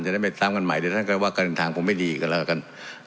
ได้ไม่ซ้ำกันใหม่เดี๋ยวท่านก็ว่าการเดินทางผมไม่ดีกันแล้วกัน